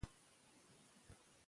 د ښو اخلاقو رعایت د جنګ مخه نیسي.